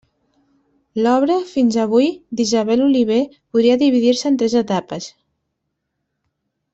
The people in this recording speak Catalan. L'obra, fins avui, d'Isabel Oliver podria dividir-se en tres etapes.